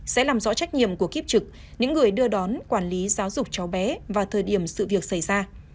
sẽ làm rõ trách nhiệm của kiếp trực những người đưa đón quản lý giáo dục cháu bé vào thời điểm sự việc xảy ra